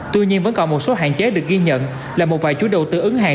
tuy nhiên vẫn còn một số hạn chế được ghi nhận là một vài chú đầu tư ứng hàng